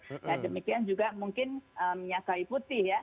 ya demikian juga mungkin minyak kawi putih ya